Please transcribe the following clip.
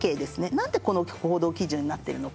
何でこの行動基準になってるのか。